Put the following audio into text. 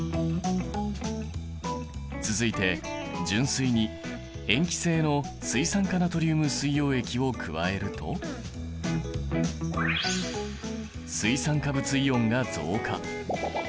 続いて純水に塩基性の水酸化ナトリウム水溶液を加えると水酸化物イオンが増加。